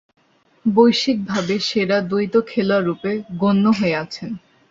বৈশ্বিকভাবে সেরা দ্বৈত খেলোয়াড়রূপে গণ্য হয়ে আছেন।